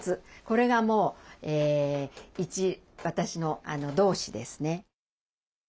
これがもう一私の同志ですね。